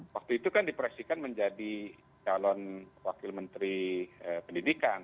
waktu itu kan dipresikan menjadi calon wakil menteri pendidikan